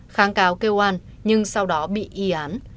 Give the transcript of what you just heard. kháng cáo kêu an nhưng sau đó bị y án